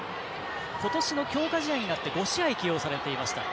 ことしの強化試合になって５試合、起用されました。